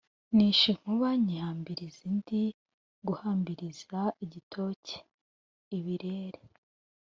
Nishe inkuba nyihambiriza indi-Guhambiriza igitoke ibirere.